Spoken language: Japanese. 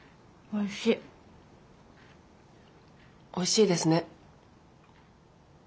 おいしいですね。